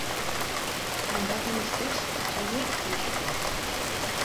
Hainbaten ustez, etsaiek hil zuten.